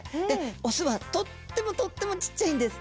オスはとってもとってもちっちゃいんです。